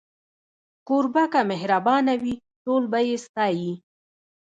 کوربه که مهربانه وي، ټول به يې ستایي.